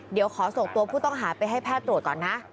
เดี๋ยวขอส่งตัวผู้ต้องหาไปให้แพทย์ตรวจก่อนนะ